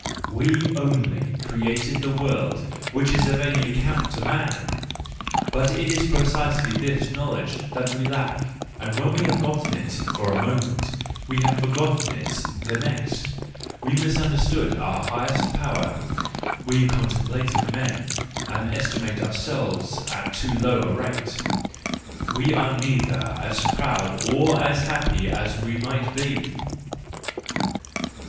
We only have created the world which is of any account to man l —But it is precisely this knowledge that we lack, and when we get hold of it for a moment we have forgotten it the next: we misunderstand our highest power, we contemplative men, and estimate ourselves at too low a rate, — we are neither as proud nor as happy as we might be, 302.